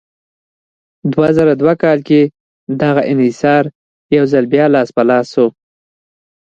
دوه زره دوه کال کې دغه انحصار یو ځل بیا لاس په لاس شو.